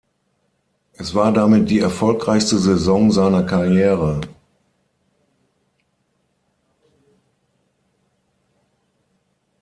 Es war damit die erfolgreichste Saison seiner Karriere.